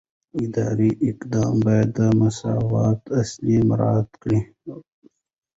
اداري اقدام باید د مساوات اصل مراعات کړي.